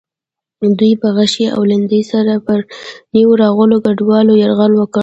دوی په غشي او لیندۍ سره پر نویو راغلو کډوالو یرغل وکړ.